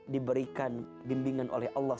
diberikan bimbingan oleh allah